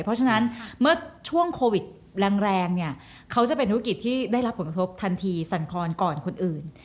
เพราะฉะนั้นเมื่อช่วงโควิดแรงเนี่ยเขาจะเป็นธุรกิจที่ได้รับผลกระทบทันทีสั่นครอนก่อนคนอื่น